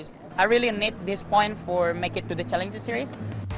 saya benar benar membutuhkan titik ini untuk mencapai challenger series